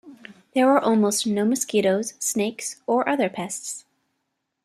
There are almost no mosquitoes, snakes or other pests.